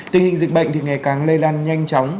tình hình dịch bệnh thì ngày càng lây lan nhanh chóng